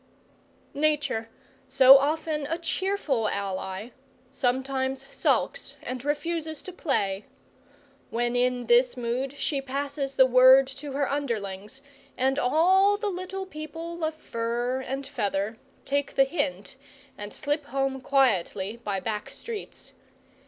Nature, so often a cheerful ally, sometimes sulks and refuses to play. When in this mood she passes the word to her underlings, and all the little people of fur and feather take the hint and slip home quietly by back streets.